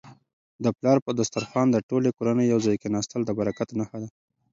د پلار په دسترخوان د ټولې کورنی یو ځای کيناستل د برکت نښه ده.